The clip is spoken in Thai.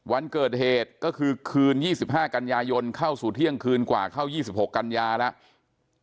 วันเกิดเหตุก็คือคืน๒๕กันยายนเข้าสู่เที่ยงคืนกว่าเข้า๒๖กันยาแล้ว